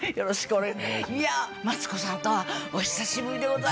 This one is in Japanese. いやマツコさんとはお久しぶりでございます。